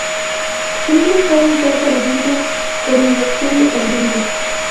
Los mismos pueden ser por ejemplo, por inyección de corriente.